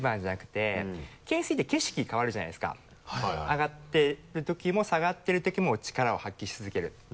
上がってるときも下がってるときも力を発揮し続ける。